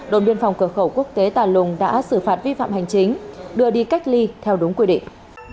đồn biên phòng cửa khẩu quốc tế tà lùng đã xử phạt vi phạm hành chính đưa đi cách ly theo đúng quy định